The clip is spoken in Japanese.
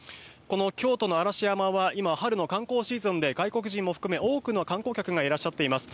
京都の嵐山は今春の観光シーズンで外国人も含め多くの観光客がいらっしゃっています。